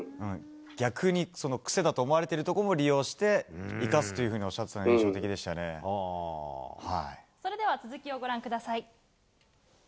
逆に癖だと思われているところを利用して生かすというふうにおっしゃっていたのがそれでは続きをご覧ください。